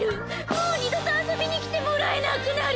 もう二度と遊びにきてもらえなくなる！